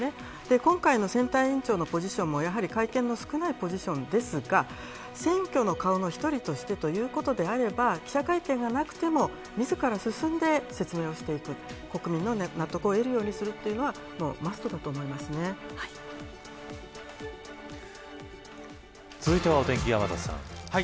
今回の選対委員長のポジションも会見の少ないポジションですが選挙の顔の１人としてということであれば記者会見がなくても自ら進んで説明をしていく国民の納得を得るようにするというのが続いてはお天気、天達さん。